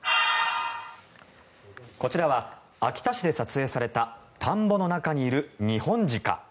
こちらは秋田市で撮影された田んぼの中にいるニホンジカ。